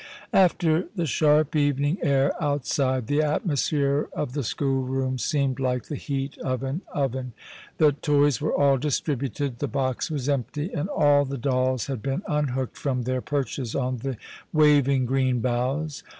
After the sharp evening air outside, the atmosphere of the schoolroom seemed like the heat of an oven. The toys were all distributed, the box was empty, and all the dolls had been unhooked from their perches on the waving green boughs.